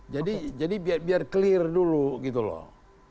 jadi biar clear dulu gitu loh